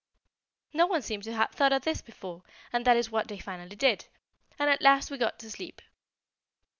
No one seemed to have thought of this before; and that is what they finally did, and at last we got to sleep.